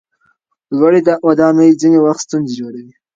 لوړې ودانۍ ځینې وخت ستونزې جوړوي.